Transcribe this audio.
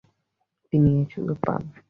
তিনি এ সুযোগ পান।